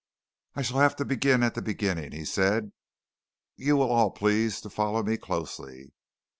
"I shall have to begin at the beginning," he said. "You'll all please to follow me closely.